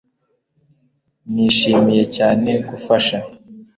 Nishimiye cyane gufasha